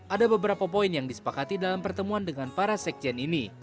ada beberapa poin yang disepakati dalam pertemuan dengan para sekjen ini